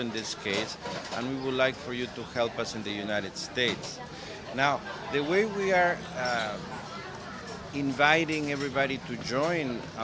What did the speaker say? nah cara kami menginvite semua orang untuk melakukan gugatan ini